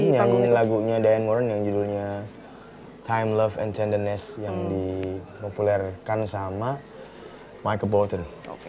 nyanyi lagunya diane warren yang judulnya time love and tenderness yang dimopulerkan sama michael bolton